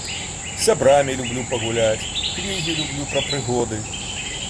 З сябрамі люблю пагуляць, кнігі люблю пра прыгоды.